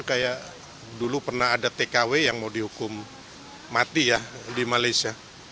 kayak dulu pernah ada tkw yang mau dihukum mati ya di malaysia